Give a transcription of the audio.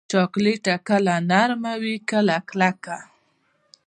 چاکلېټ کله نرم وي، کله کلک.